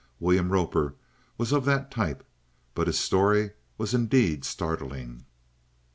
William Roper was of that type, but his story was indeed startling.